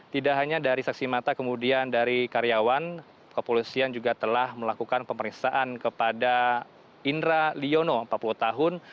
tidak hanya dari saksi mata kemudian dari karyawan kepolisian juga telah melakukan pemeriksaan kepada indra liono empat puluh tahun